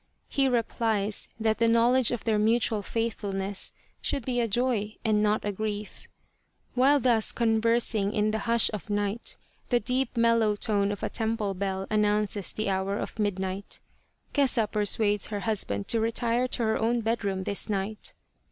He replies that the knowledge of their mutual faithfulness should be a joy and not a grief. While thus conversing in the hush of night, the deep mellow tone of a temple bell an nounces the hour of midnight. Kesa persuades her husband to retire to her own bedroom this night.